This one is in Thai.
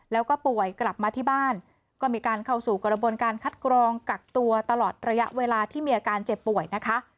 แล้วก็ป่วยกลับมาที่บ้านก็มีการเข้าสู่กระบวนการคัดกรองกักตัวตลอดระยะเวลาที่มีอาการเจ็บป่วยนะคะ